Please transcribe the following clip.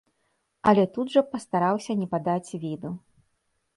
Але тут жа пастараўся не падаць віду.